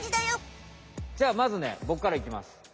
じゃあまずねボクからいきます。